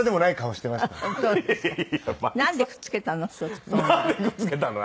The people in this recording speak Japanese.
なんでくっつけたの？